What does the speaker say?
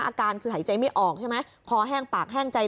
อาการคือหายใจไม่ออกใช่ไหมคอแห้งปากแห้งใจ